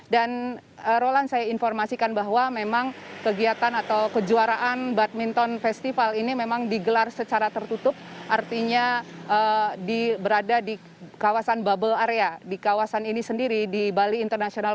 dan roland saya informasikan bahwa memang kegiatan atau kejuaraan badminton festival ini memang digelar secara tertutup artinya berada di kawasan bubble area di kawasan ini sendiri di bali interregional